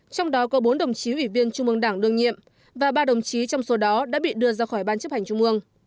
trong đó có bốn đồng chí ủy viên trung mương đảng đương nhiệm và ba đồng chí trong số đó đã bị đưa ra khỏi ban chấp hành trung ương